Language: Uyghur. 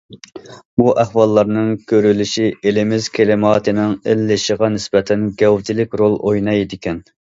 بۇ ئەھۋاللارنىڭ كۆرۈلۈشى ئېلىمىز كىلىماتىنىڭ ئىللىشىغا نىسبەتەن گەۋدىلىك رول ئوينايدىكەن.